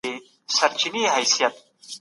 نړیوال عدالت د مظلومانو ږغ اوري.